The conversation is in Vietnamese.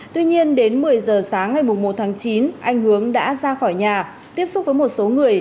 tuy nhiên đến một mươi giờ sáng ngày một tháng chín anh hướng đã ra khỏi nhà tiếp xúc với một số người